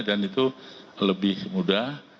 dan itu lebih mudah